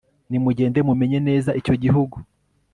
nimugende mumenye neza icyo gihugu